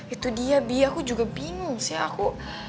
itu dia bi aku juga bingung sih aku